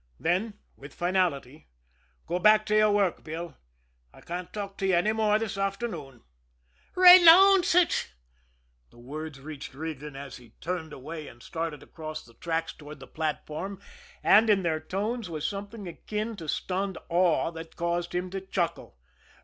Then, with finality: "Go back to your work, Bill I can't talk to you any more this afternoon." "Raynownce ut!" The words reached Regan as he turned away and started across the tracks toward the platform, and in their tones was something akin to stunned awe that caused him to chuckle.